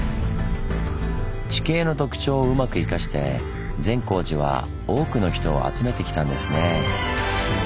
地形の特徴をうまく生かして善光寺は多くの人を集めてきたんですね。